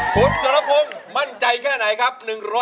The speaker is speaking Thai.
คุณสนปงมั่นใจแค่ไหนครับ๑๐๐